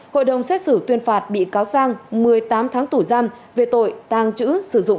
hội đồng xét xử tuyên phạt bị cáo sang một mươi tám tháng tù giam về tội tàng trữ sử dụng